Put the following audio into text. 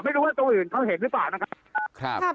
ไม่รู้ว่าตรงอื่นเขาเห็นหรือเปล่านะครับ